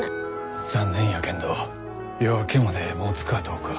残念やけんど夜明けまでもつかどうか。